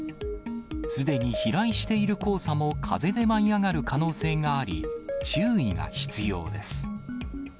すでに飛来している黄砂も風で舞い上がる可能性があり、注意が必要です。